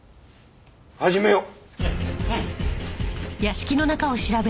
始めよう。